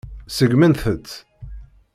Segnemt-t.